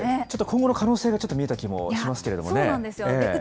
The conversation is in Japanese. ちょっと今後の可能性がちょっと見えた気もしますけれどもね。